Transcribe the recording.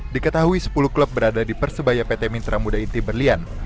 diketahui sepuluh klub berada di persebaya pt mitra muda inti berlian